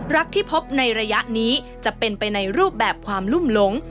รักที่พบในระยะนี้จะเป็นไปในรูปแบบความลุ่มหลง